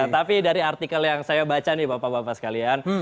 tapi dari artikel yang saya baca nih bapak bapak sekalian